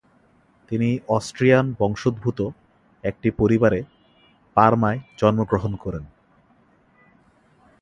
তিনি অস্ট্রিয়ান বংশোদ্ভূত একটি পরিবারে পারমায় জন্মগ্রহণ করেন।